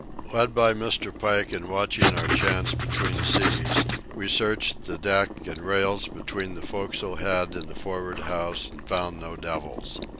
Led by Mr. Pike and watching our chance between seas, we searched the deck and rails between the forecastle head and the for'ard house and found no devils.